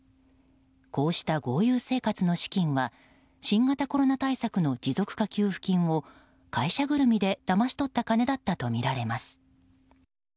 こうした豪遊生活の資金は新型コロナ対策の持続化給付金を会社ぐるみでだまし取った金だったとみられます。